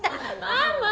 ママ！